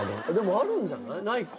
あるんじゃない？ないか。